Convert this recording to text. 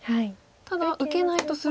ただ受けないとすると。